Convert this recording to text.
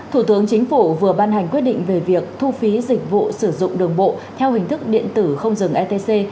thủ tướng chính phủ vừa ban hành quyết định về việc thu phí dịch vụ sử dụng đường bộ theo hình thức điện tử không dừng etc